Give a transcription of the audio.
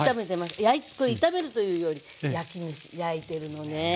これ炒めるというより焼きめし焼いてるのね。